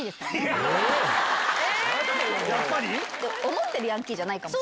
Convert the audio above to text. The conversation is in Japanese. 思ってるヤンキーじゃないかも。